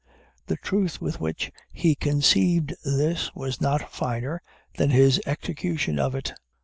The truth with which he conceived this was not finer than his execution of it.